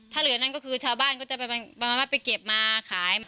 ถ้าเหลือนั่นก็คือชาวบ้านก็จะไปเก็บมาขาย